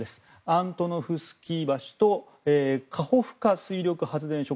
アントノフスキー橋とカホフカ水力発電所